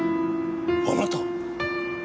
あなた。